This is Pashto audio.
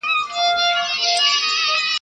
سپورټ د بدن سلامتیا ساتي